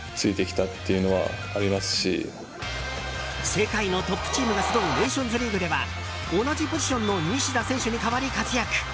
世界のトップチームが集うネーションズリーグでは同じポジションの西田選手に代わり活躍。